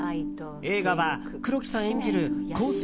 映画は、黒木さん演じる香水